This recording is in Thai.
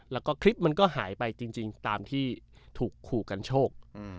แล้วก็คลิปมันก็หายไปจริงตามที่ถูกขู่กันโชค